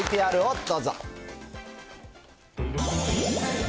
早速ＶＴＲをどうぞ。